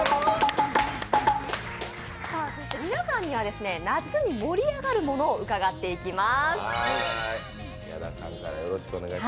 そして皆さんには夏に盛り上がるものを伺っていきます。